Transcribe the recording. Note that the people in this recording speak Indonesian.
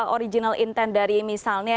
original intent dari misalnya